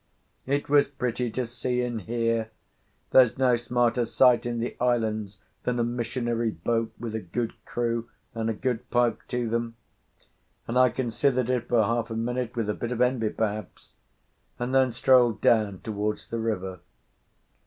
It was pretty to see and hear; there's no smarter sight in the islands than a missionary boat with a good crew and a good pipe to them; and I considered it for half a minute, with a bit of envy perhaps, and then strolled down towards the river.